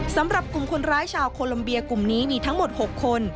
สำหรับกลุ่มคนร้ายชาวโคลัมเบียกลุ่มนี้มีทั้งหมด๖คน